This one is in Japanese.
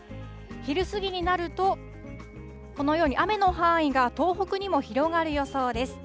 昼過ぎになると、このように雨の範囲が東北にも広がる予想です。